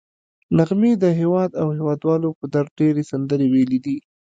نغمې د هېواد او هېوادوالو په درد ډېرې سندرې ویلي دي